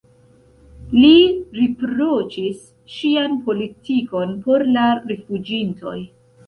Li riproĉis ŝian politikon por la rifuĝintoj.